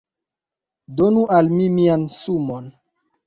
Donu al mi mian sumon!